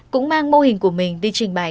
cũng mang mô hình của mình đi trình bày